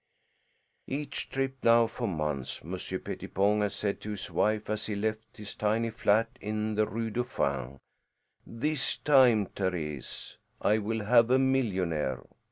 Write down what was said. Each trip now, for months, Monsieur Pettipon had said to his wife as he left his tiny flat in the Rue Dauphine, "This time, Thérèse, I will have a millionaire.